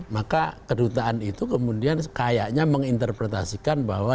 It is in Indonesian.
maka kedutaan itu kemudian kayaknya menginterpretasikan bahwa